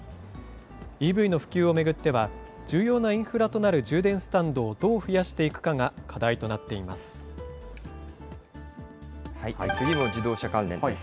ＥＶの普及を巡っては、重要なインフラとなる充電スタンドをどう増やしていくかが課題となってい次も自動車関連です。